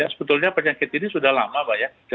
sebetulnya penyakit ini sudah lama pak ya